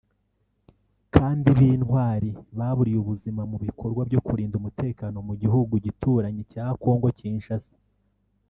kandi b’intwari baburiye ubuzima mu bikorwa byo kurinda umutekano mu gihugu gituranyi cya Congo Kinshasa